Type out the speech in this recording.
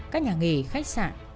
các nhà nghỉ khách sạn